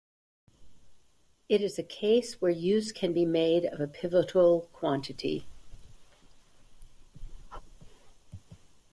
It is a case where use can be made of a pivotal quantity.